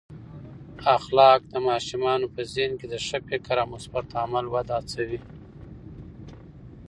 اخلاق د ماشومانو په ذهن کې د ښه فکر او مثبت عمل وده هڅوي.